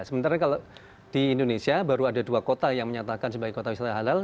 sementara kalau di indonesia baru ada dua kota yang menyatakan sebagai kota wisata halal